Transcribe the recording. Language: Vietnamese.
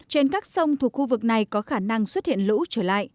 trên các sông thuộc khu vực này có khả năng xuất hiện lũ trở lại